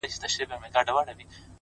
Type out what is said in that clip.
دا ستاد كلـي كـاڼـى زمـا دوا ســـوه،